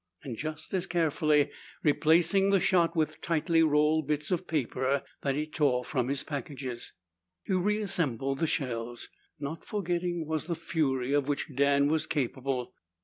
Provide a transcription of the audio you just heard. Just as carefully replacing the shot with tightly rolled bits of paper that he tore from his packages, he re assembled the shells. Not forgotten was the fury of which Dan was capable.